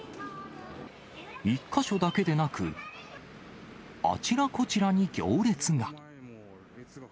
１か所だけでなく、あちらこちらに行列が。